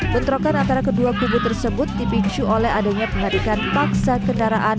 bentrokan antara kedua kubu tersebut dipicu oleh adanya pengadikan paksa kendaraan